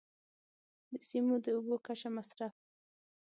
د سیمو د اوبو کچه، مصرف.